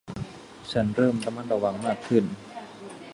ฉันเริ่มระมัดระวังมากขึ้น